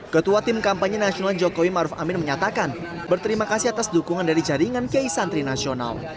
ketua tim kampanye nasional jokowi maruf amin menyatakan berterima kasih atas dukungan dari jaringan kiai santri nasional